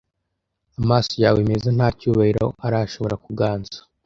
amaso yawe meza nta cyubahiro arashobora kuganza